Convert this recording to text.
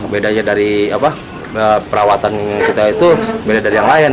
bedanya dari perawatan kita itu beda dari yang lain